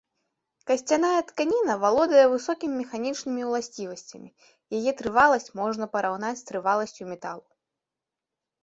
Касцяная тканіна валодае высокімі механічнымі ўласцівасцямі, яе трываласць можна параўнаць з трываласцю металу.